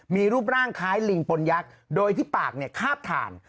มีรูปร่างคล้ายลิงปนยักษ์โดยที่ปากคาบถ่าน